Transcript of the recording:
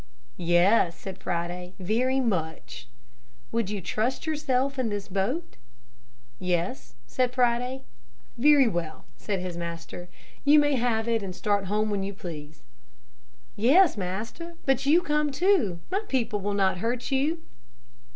"Yes," said Friday, "very much." "Would you trust yourself in this boat?" "Yes," said Friday. "Very well," said his master, "you may have it and start home when you please." "Yes, Master, but you come too, my people will not hurt you."